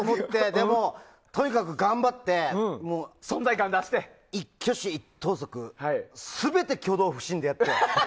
でもとにかく頑張って一挙手一投足全て挙動不審でやって。